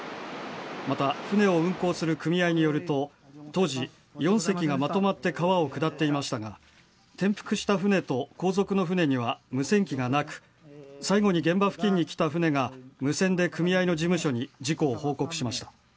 また、舟を運航する組合によると当時、４隻がまとまって川を下っていましたが転覆した舟と後続の舟には無線機がなく最後に現場付近に来た舟が無線で組合の事務所に事故を報告しました。